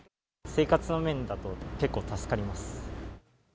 生活の面だと結構助かります。